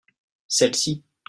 Celles-ci.